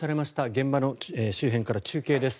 現場の周辺から中継です。